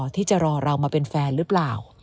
ที่จะรอเรามาเป็นแฟนหรือเปล่า